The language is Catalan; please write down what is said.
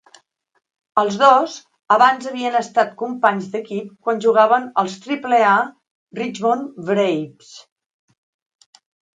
Els dos abans havien estat companys d'equip quan jugaven als Triple-A Richmond Braves.